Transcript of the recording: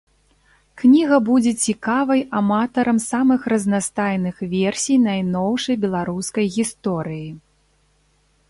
Кніга будзе цікавай аматарам самых разнастайных версій найноўшай беларускай гісторыі.